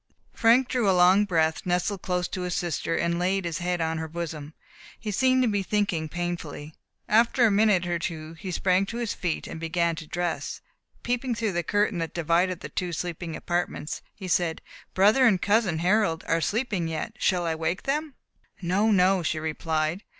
Frank drew a long breath, nestled close to his sister, and laid his head on her bosom. He seemed to be thinking painfully. After a minute or two he sprang to his feet, and began to dress. Peeping through the curtain that divided the two sleeping apartments, he said, "Brother and cousin Harold are sleeping yet, shall I wake them?" "No, no," she replied.